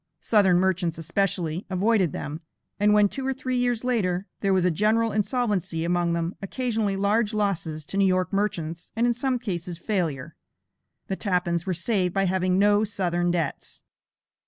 Southern merchants especially, avoided them, and when, two or three years later, there was a general insolvency among them, occasionally large losses to New York merchants, and in some cases failure; the Tappans were saved by having no Southern debts!